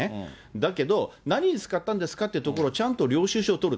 だけど、何に使ったんですかっていうところを、ちゃんと領収書を取る。